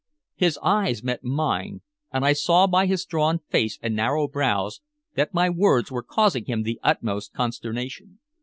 His eyes met mine, and I saw by his drawn face and narrow brows that my words were causing him the utmost consternation.